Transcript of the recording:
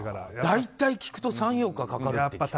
大体聞くと３４日かかるって。